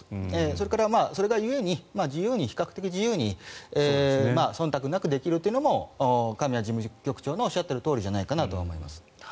それからそれが故に比較的自由にそんたくなくできるというのも神谷事務局長のおっしゃっているとおりじゃないかなと思います。